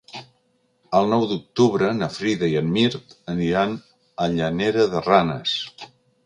El nou d'octubre na Frida i en Mirt aniran a Llanera de Ranes.